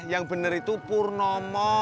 yang bener itu purnomo